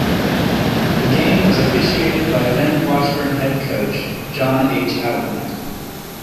The game was officiated by then Washburn head coach John H. Outland.